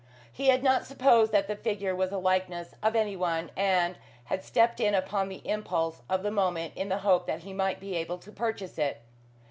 He had not supposed that the figure was a likeness of any one, and had stepped in, upon the impulse of the moment, in the hope that he might be able to purchase it.